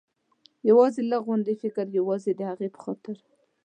یوازې لږ غوندې فکر، یوازې د هغې په خاطر.